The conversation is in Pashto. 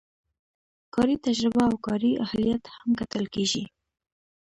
کاري تجربه او کاري اهلیت هم کتل کیږي.